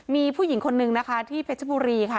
มีผู้หญิงคนนึงนะคะที่เพชรบุรีค่ะ